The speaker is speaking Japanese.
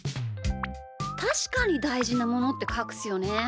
たしかにたいじなものってかくすよね。